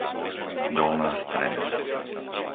Dolná Streda